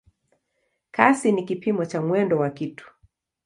Kasi ni kipimo cha mwendo wa kitu.